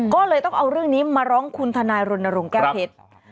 ก็เลยต้องเอาเรื่องนี้มาร้องคุณทนายรณรงค์แก้วเพชร